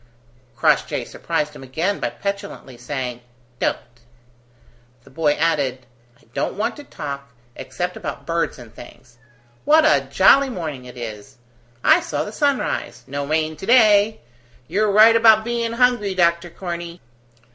Crossjay surprised him again by petulantly saying: "Don't." The boy added: "I don't want to talk, except about birds and things. What a jolly morning it is! I saw the sun rise. No rain to day. You're right about hungry, Doctor Corney!"